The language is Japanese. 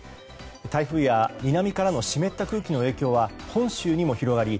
台風や南からの湿った空気の影響は本州にも広がり